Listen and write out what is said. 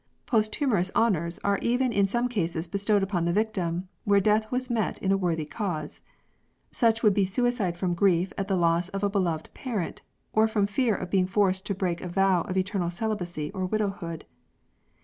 Posthumous honours are even in some cases bestowed upon the victim, where death was met in a worthy cause. Such would be suicide from grief at the loss of a beloved parent, or from fear of being forced to break a vow of eternal celibacy or widowhood.